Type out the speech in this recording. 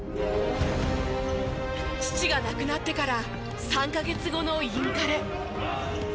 父が亡くなってから３カ月後のインカレ。